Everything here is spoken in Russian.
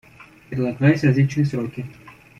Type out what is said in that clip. Предлагались различные сроки.